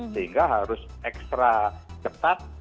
sehingga harus extra ketat